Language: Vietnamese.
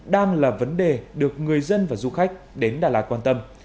đang là vấn đề được người dân và du khách đến đà lạt quan tâm